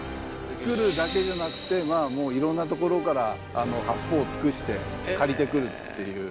作るだけじゃなくてまぁもういろんなところから八方尽くして借りてくるっていう。